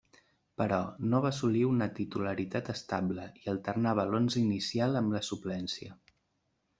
Però, no va assolir una titularitat estable, i alternava l'onze inicial amb la suplència.